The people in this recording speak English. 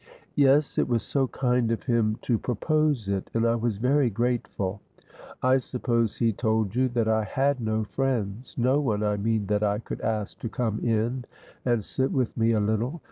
"Yes, it was so kind of him to propose it, and I was very grateful. I suppose he told you that I had no friends no one, I mean, that I could ask to come in and sit with me a little.